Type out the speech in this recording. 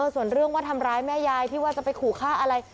ส่วนเรื่องว่าทำร้ายแม่ยายที่ว่าจะไปขู่ฆ่าอะไร